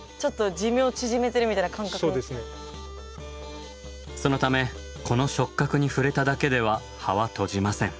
そのためこの触覚に触れただけでは葉は閉じません。